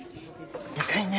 でかいね。